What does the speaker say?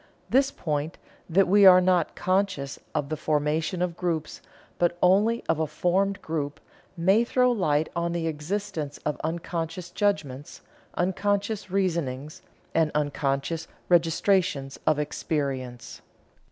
This point, that we are not conscious of the formation of groups, but only of a formed group, may throw light on the existence of unconscious judgments, unconscious reasonings, and unconscious registrations of experience."